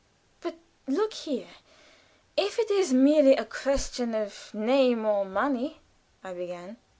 "But look here! If it is merely a question of name or money," I began.